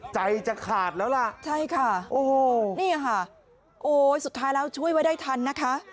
ใจจะขาดแล้วล่ะใช่ค่ะโอ้โหนี่ค่ะโอ้ยสุดท้ายแล้วช่วยไว้ได้ทันนะคะ